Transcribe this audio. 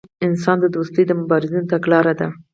انسان دوستي د مبارزینو تګلاره ده.